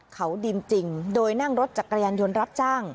เขาดินจริงโดยนั่งรถจักรยานยนต์รับจ้าง